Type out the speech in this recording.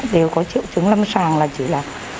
đều có triệu chứng lâm sàng là chỉ là